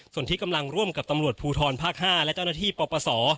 ส่วนที่กำลังร่วมกับตำรวจภูทรภาค๕และเจ้าหน้าที่ปปศ